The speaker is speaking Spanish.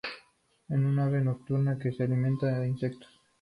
Es un ave nocturna que se alimenta de insectos.